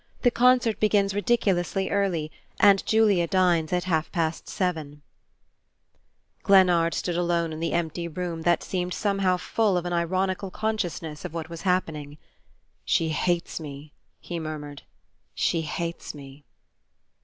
The concert begins ridiculously early, and Julia dines at half past seven " Glennard stood alone in the empty room that seemed somehow full of an ironical consciousness of what was happening. "She hates me," he murmured. "She hates me...."